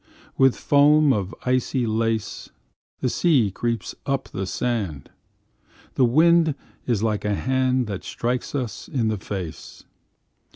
With foam of icy lace The sea creeps up the sand, The wind is like a hand That strikes us in the face.